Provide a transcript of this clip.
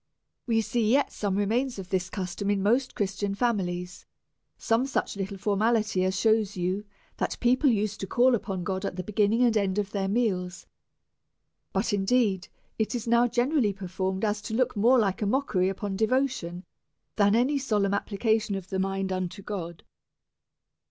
We see yet some remains of this custom in most Christian families ; some such little formality as shews you that people used to call upon God at the begin DEVOUT AND HOLY £lFE. 47 ning and end of their meals. But, indeed, it is now generally so performed, as to look more like a mock ery of devotion than any solemn application of the mind unto God.